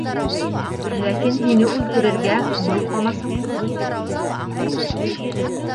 Ләкин һине үлтерергә был ҡамасау түгел.